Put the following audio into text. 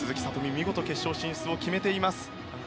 見事、決勝進出を決めています。